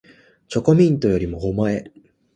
チョコミントよりもおまえ